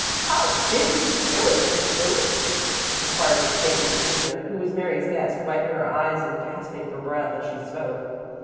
"How did you do it, Miss Lewis?" inquired the stately senior, who was Mary's guest, wiping her eyes and gasping for breath as she spoke.